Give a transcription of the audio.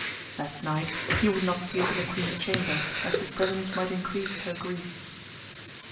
That night he would not sleep in the queen's chamber lest his pre 104 AMADIS OF GAUL. sence might increase her grief.